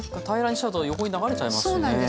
平らにしちゃうと横に流れちゃいますしね。